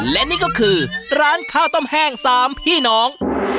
และนี่ก็คือร้านข้าวต้มแห้ง๓พี่น้อง